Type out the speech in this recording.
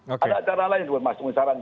ada acara lain mas